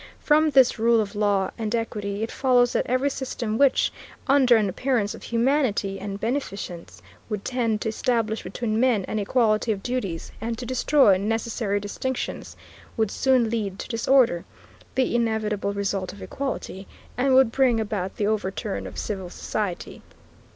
From this rule of law and equity it follows that every system which, under an appearance of humanity and beneficence, would tend to establish between men an equality of duties, and to destroy necessary distinctions, would soon lead to disorder (the inevitable result of equality), and would bring about the overturn of civil society."